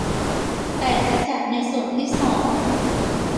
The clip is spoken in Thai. แต่จะจัดในส่วนที่สอง